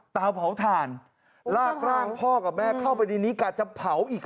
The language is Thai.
เตาเผาถ่านลากร่างพ่อกับแม่เข้าไปในนี้กะจะเผาอีก